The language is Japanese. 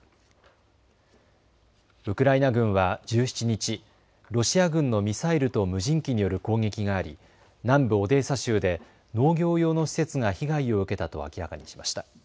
ウクライナ軍は１７日、ロシア軍のミサイルと無人機による攻撃があり南部オデーサ州で農業用の施設が被害を受けたと明らかにしました。